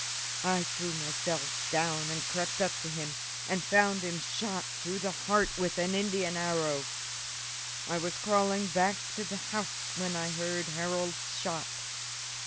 I threw myself down and crept up to him and found him shot through the heart with an Indian arrow. I was crawling back to the house when I heard Harold's shot.